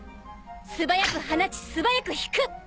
素早く放ち素早く引く！